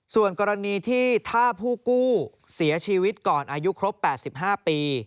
ส่วนกรณีที่ถ้าผู้กู้เสียชีวิตก่อนอายุครบ๘๕ปี